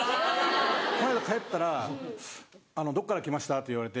この間帰ったら「どこから来ました？」って言われて。